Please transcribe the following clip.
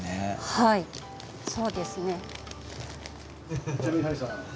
はいそうですね。